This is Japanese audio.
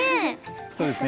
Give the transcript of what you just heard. そうですね。